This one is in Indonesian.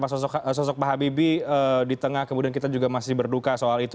sekali lagi tentu kita mengenang seperti apa pak sosok pak habibie di tengah kemudian kita juga masih berduka soal itu